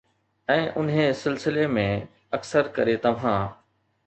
۽ انهي سلسلي ۾، اڪثر ڪري توهان